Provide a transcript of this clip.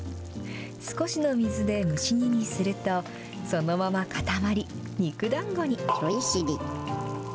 少しの水で蒸し煮にすると、そのまま固まり、肉だんごに。